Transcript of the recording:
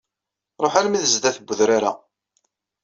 Ruḥ alma d sdat n wedrar-a.